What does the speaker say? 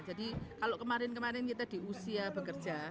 jadi kalau kemarin kemarin kita di usia bekerja